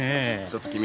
ちょっと君。